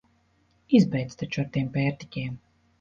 Izbeidz taču ar tiem pērtiķiem!